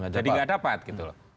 jadi nggak dapat gitu loh